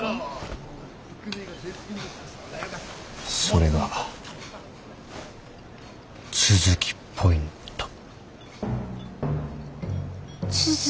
それが都築ポイント。